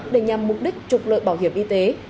để nhằm mục đích trục lợi bảo hiểm y tế